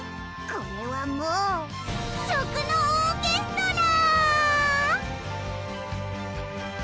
これはもう食のオーケストラ！